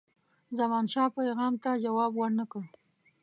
زمانشاه پیغام ته جواب ورنه کړ.